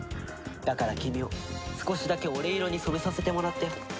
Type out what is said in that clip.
だから君を少しだけ俺色に染めさせてもらったよ。